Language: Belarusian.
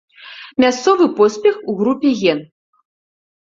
Мясцовы поспех у групе ген.